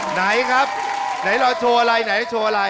ไหนครับไหนเราโชว์อะไรไหนโชว์อะไร